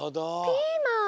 ピーマン。